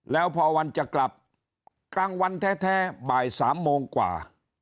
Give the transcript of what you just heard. แล้วพอวันจะกลับกลางวันแท้บ่าย๓โมงกว่า